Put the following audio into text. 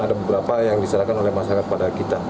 ada beberapa yang diserahkan oleh masyarakat pada kita